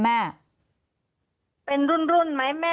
มันเป็นอาหารของพระราชา